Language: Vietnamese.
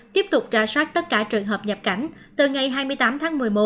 tiếp tục ra soát tất cả trường hợp nhập cảnh từ ngày hai mươi tám tháng một mươi một